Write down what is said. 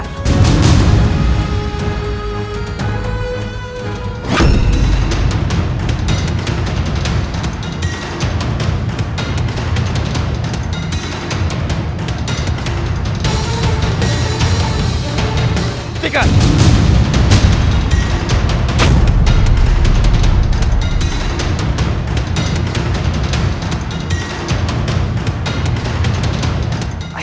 jangan lupa aku akan menerima perubahanmu